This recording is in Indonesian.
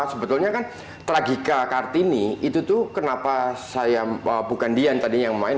sebetulnya kan tragika kartini itu tuh kenapa saya bukan dian tadi yang main